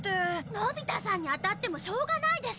のび太さんに当たってもしょうがないでしょ！